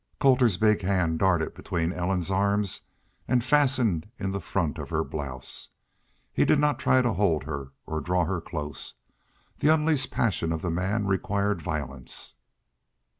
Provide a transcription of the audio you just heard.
Colter's big hand darted between Ellen's arms and fastened in the front of her blouse. He did not try to hold her or draw her close. The unleashed passion of the man required violence.